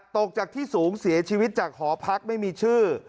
ตกจากที่สูงเสียชีวิตจากหอพักไม่มีชื่อ